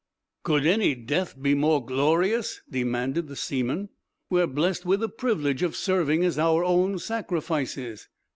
"Could any death be more glorious?" demanded the seaman. "We are blessed with the privilege of serving as our own sacrifices!"